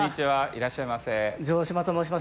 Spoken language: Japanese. いらっしゃいませ。